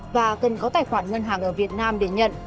và cần có tài khoản ngân hàng ở việt nam để nhận